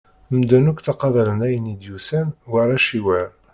Medden akk ttaqabalen ayen i d-yusan war aciwer.